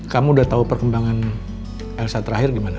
kamu udah tahu perkembangan elsa terakhir gimana